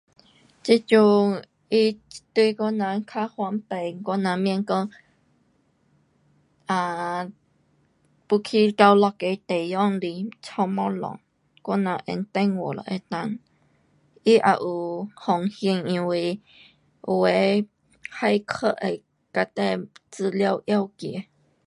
这阵它对我人较方便，我人免讲有 um 要去到一个地方去来弄东西，我人用电话就能够。它也有风险因为有的骇客会等下资料拿去。